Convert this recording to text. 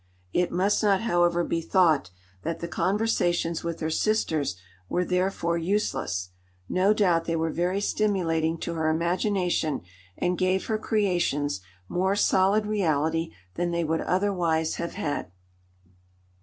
It must not, however, be thought that the conversations with her sisters were therefore useless; no doubt they were very stimulating to her imagination, and gave her creations more solid reality than they would otherwise have had.